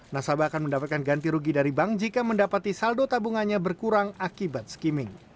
nasabah akan mendapatkan ganti rugi dari bank jika mendapati saldo tabungannya berkurang akibat skimming